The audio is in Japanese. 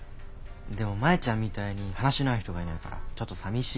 でもマヤちゃんみたいに話の合う人がいないからちょっとさみしい。